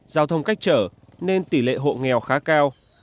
giao thông cách trở nên tỷ lệ hộ nghèo khá cao